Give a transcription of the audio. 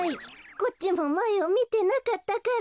こっちもまえをみてなかったから。